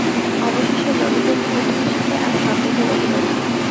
অবশেষে ললিতা নিকটে আসিতে আর সন্দেহ রহিল না।